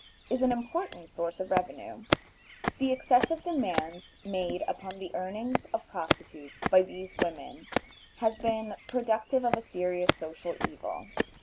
is an important source of revenue. The excessive demands made upon the earnings of prostitutes by these women has been productive of a serious social evil.